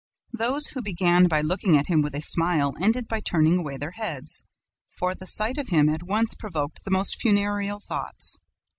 Those who began by looking at him with a smile ended by turning away their heads, for the sight of him at once provoked the most funereal thoughts.